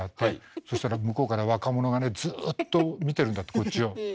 そしたら向こうから若者がねずっと見てるんだってこっちを。